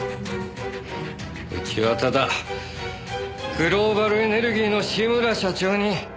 うちはただグローバルエネルギーの志村社長に。